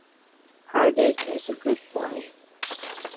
Hardik is a good boy.